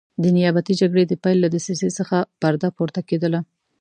د نیابتي جګړې د پیل له دسیسې څخه پرده پورته کېدله.